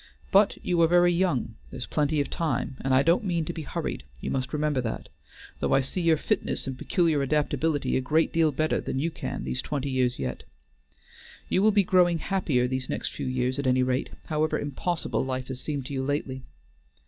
But you are very young; there's plenty of time, and I don't mean to be hurried; you must remember that, though I see your fitness and peculiar adaptability a great deal better than you can these twenty years yet. You will be growing happier these next few years at any rate, however impossible life has seemed to you lately."